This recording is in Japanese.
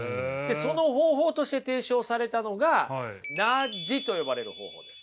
その方法として提唱されたのがナッジと呼ばれる方法です。